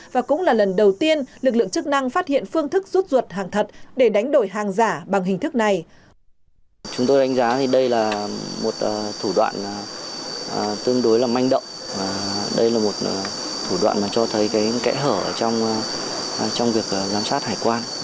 và cũng là lần đầu tiên lực lượng chức năng phát hiện phương thức rút ruột hàng thật để đánh đổi hàng giả bằng hình thức này